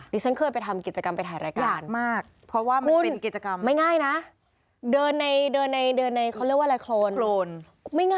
นี่ฉันเคยไปทำกิจกรรมไปถ่ายรายการก่อน